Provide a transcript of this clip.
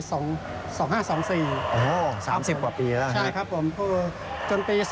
สามสิบกว่าปีแล้วครับใช่ครับผมจนปี๒๕๓๖